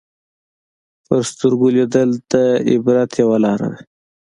په سترګو لیدل د عبرت یوه لاره ده